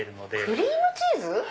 クリームチーズ⁉